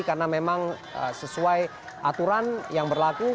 karena memang sesuai aturan yang berlaku